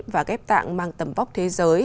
và ghép tạng mang tầm vóc thế giới